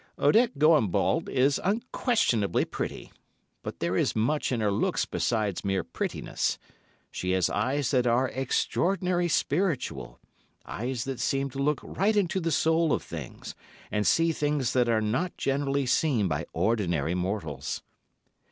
Odette Goimbault is unquestionably pretty—but there is much in her looks besides mere prettiness. She has eyes that are extraordinarily spiritual, eyes that seem to look right into the soul of things and see things that are not generally seen by ordinary mortals.